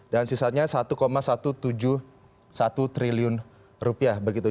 dan sisanya satu satu ratus tujuh puluh satu triliun rupiah begitu